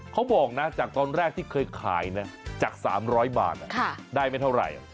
เขาบอกนะจากตอนแรกที่เคยขายนะจาก๓๐๐บาทได้ไม่เท่าไหร่